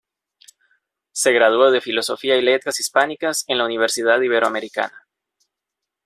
Se graduó de Filosofía y Letras Hispánicas en la Universidad Iberoamericana.